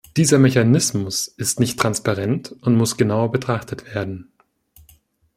Dieser Mechanismus ist nicht transparent und muss genauer betrachtet werden.